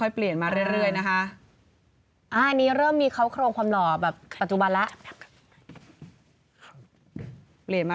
เปลี่ยนมาเรื่อยจนเป็นแบบนี้